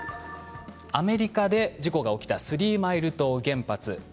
アメリカで事故が起きたスリーマイル島の原発